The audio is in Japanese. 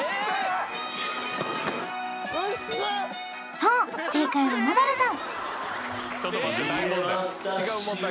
そう正解はナダルさん